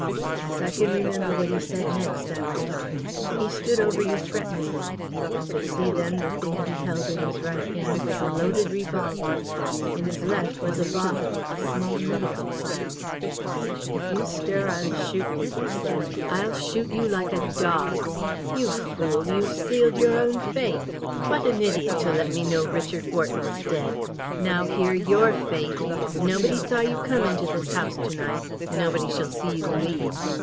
"Yes, I can remember what he said next," I went on. "He stood over you threateningly. I could see then the thing he held in his right hand was a loaded revolver. In his left was a bottle, a small medical phial. "'If you stir, I'll shoot you,' he said; 'I'll shoot you like a dog! You fool, you've sealed your own fate! What an idiot to let me know Richard Wharton's dead! Now, hear your fate! Nobody saw you come into this house to night. Nobody shall see you leave.